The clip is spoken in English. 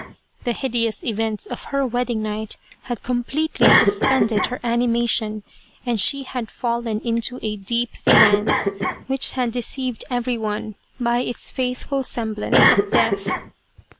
The hideous events of her wedding night had com pletely suspended her animation, and she had fallen into a deep trance, which had deceived everyone by its faithful semblance of Death.